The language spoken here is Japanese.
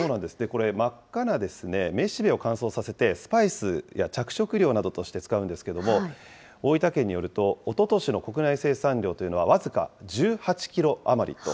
これ、真っ赤な雌しべを乾燥させて、スパイスや着色料などとして使うんですけども、大分県によると、おととしの国内生産量というのは僅か１８キロ余りと。